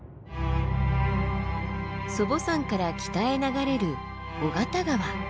祖母山から北へ流れる緒方川。